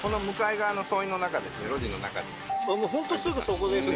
ホントすぐそこですよね。